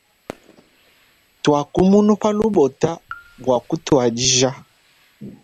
Tuaku munu pa lubota bua kutuadija .